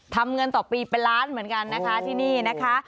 ทำเงินต่อปีเป็นล้านเหมือนกันนะคะที่นี่นะคะ